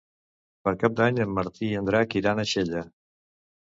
Per Cap d'Any en Martí i en Drac iran a Xella.